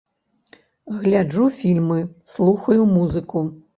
Гляджу фільмы, слухаю музыку.